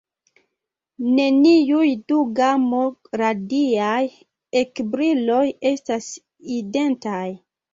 Neniuj du gamo-radiaj ekbriloj estas identaj.